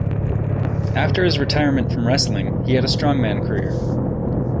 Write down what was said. After his retirement from wrestling, he had a strongman career.